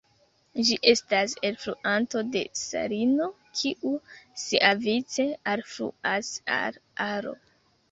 Ĝi estas alfluanto de Sarino, kiu siavice alfluas al Aro.